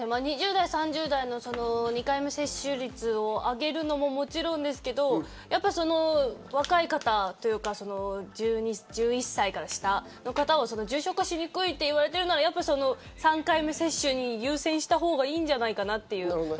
２０代、３０代の２回目接種率を上げるのももちろんですけど、若い方というか１１歳から下の方、重症化しにくいと言われてるなら３回目接種のほうを優先したほうがいいんじゃないかなと。